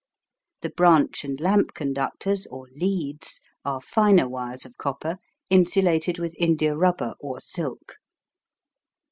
The branch and lamp conductors or "leads" are finer wires of copper, insulated with india rubber or silk.